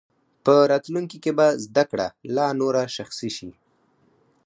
په راتلونکي کې به زده کړه لا نوره شخصي شي.